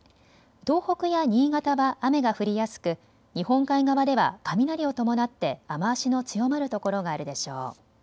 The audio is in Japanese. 東北や新潟は雨が降りやすく日本海側では雷を伴って雨足の強まる所があるでしょう。